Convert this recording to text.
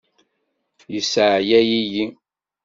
Yesseεyaw-iyi.